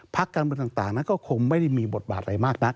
พักการเมืองต่างนั้นก็คงไม่ได้มีบทบาทอะไรมากนัก